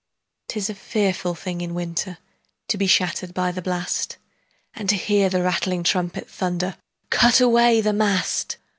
'Tis a fearful thing in winter To be shattered by the blast, And to hear the rattling trumpet Thunder, "Cut away the mast!"